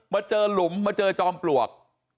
มาเจอหลุมมาเจอจอมปลวก